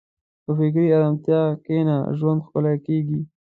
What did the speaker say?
په فکري ارامتیا کښېنه، ژوند ښکلی کېږي.